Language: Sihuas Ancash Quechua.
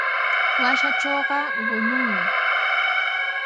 Wasiitrawqa quñunmi.